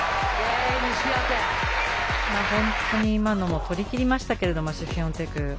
本当に今のも取りきりましたけどシフィオンテク。